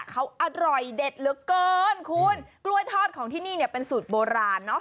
เขาอร่อยเด็ดเหลือเกินคุณกล้วยทอดของที่นี่เนี่ยเป็นสูตรโบราณเนอะ